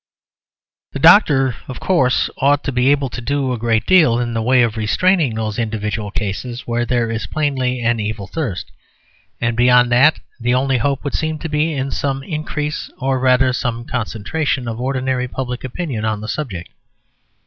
The doctor, of course, ought to be able to do a great deal in the way of restraining those individual cases where there is plainly an evil thirst; and beyond that the only hope would seem to be in some increase, or, rather, some concentration of ordinary public opinion on the subject.